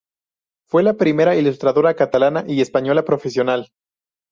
Fue la primera ilustradora catalana y española profesional.